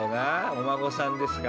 お孫さんですか？